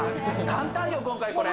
簡単よ、今回これ。